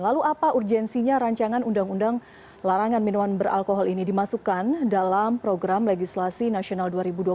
lalu apa urgensinya rancangan undang undang larangan minuman beralkohol ini dimasukkan dalam program legislasi nasional dua ribu dua puluh